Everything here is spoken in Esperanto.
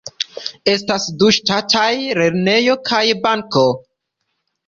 Estas du ŝtataj lernejoj kaj banko.